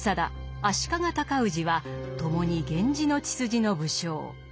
足利高氏は共に源氏の血筋の武将。